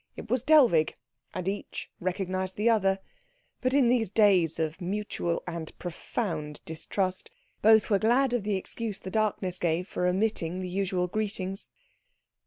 It was Dellwig, and each recognised the other; but in these days of mutual and profound distrust both were glad of the excuse the darkness gave for omitting the usual greetings.